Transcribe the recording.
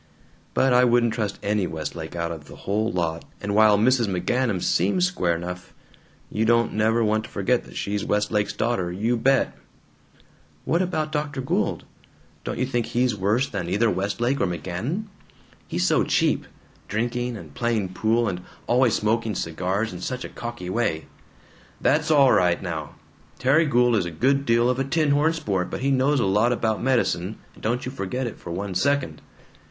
But I wouldn't trust any Westlake out of the whole lot, and while Mrs. McGanum SEEMS square enough, you don't never want to forget that she's Westlake's daughter. You bet!" "What about Dr. Gould? Don't you think he's worse than either Westlake or McGanum? He's so cheap drinking, and playing pool, and always smoking cigars in such a cocky way " "That's all right now! Terry Gould is a good deal of a tin horn sport, but he knows a lot about medicine, and don't you forget it for one second!"